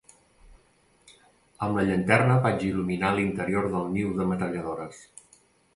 Amb la llanterna vaig il·luminar l'interior del niu de metralladores.